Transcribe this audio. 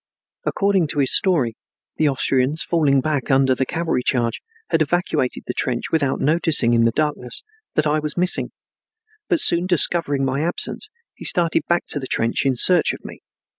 According to his story the Austrians, falling back under the cavalry charge, had evacuated the trench without noticing, in the darkness, that I was missing. But soon discovering my absence he started back to the trench in search of me.